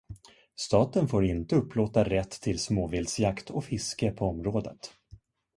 Staten får inte upplåta rätt till småviltsjakt och fiske på området.